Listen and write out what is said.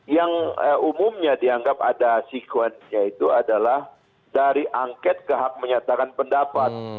yang umumnya dianggap ada sekuensnya itu adalah dari angket ke hak menyatakan pendapat